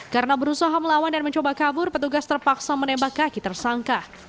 karena berusaha melawan dan mencoba kabur petugas terpaksa menembak kaki tersangka